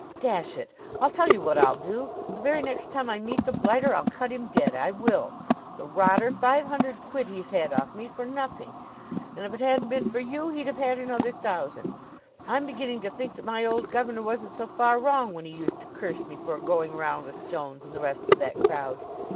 "Dash it, I'll tell you what I'll do. The very next time I meet the blighter, I'll cut him dead. I will! The rotter! Five hundred quid he's had off me for nothing! And, if it hadn't been for you, he'd have had another thousand! I'm beginning to think that my old governor wasn't so far wrong when he used to curse me for going around with Jones and the rest of that crowd.